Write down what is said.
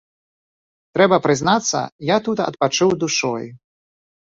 Трэба прызнацца, я тут адпачыў душой.